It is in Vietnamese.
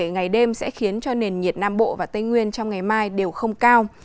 ngày đêm sẽ khiến cho nền nhiệt nam bộ và tây nguyên trong ngày mai đều không cao